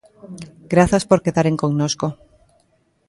Grazas por quedaren connosco.